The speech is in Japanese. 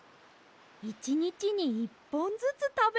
いちにちに１ぽんずつたべれば。